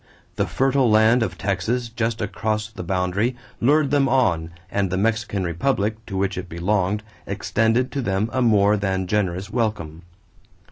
The fertile land of Texas just across the boundary lured them on and the Mexican republic to which it belonged extended to them a more than generous welcome.